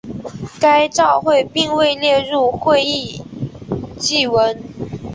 该照会并未列入会议记文。